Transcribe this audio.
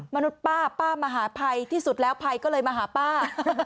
มนุษย์ป้าป้ามหาภัยที่สุดแล้วภัยก็เลยมาหาป้า